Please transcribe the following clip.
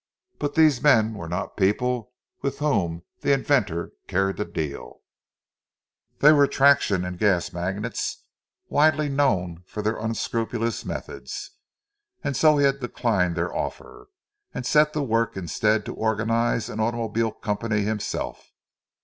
But these men were not people with whom the inventor cared to deal—they were traction and gas magnates widely known for their unscrupulous methods. And so he had declined their offer, and set to work instead to organize an automobile company himself.